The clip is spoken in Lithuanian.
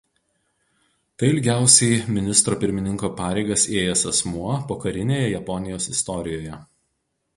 Tai ilgiausiai ministro pirmininko pareigas ėjęs asmuo pokarinėje Japonijos istorijoje.